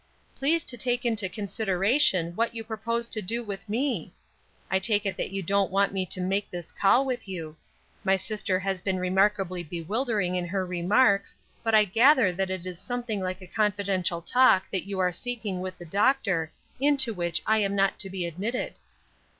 "Please to take into consideration what you propose to do with me? I take it that you don't want me to make this call with you. My sister has been remarkably bewildering in her remarks, but I gather that it is something like a confidential talk that you are seeking with the doctor, into which I am not to be admitted."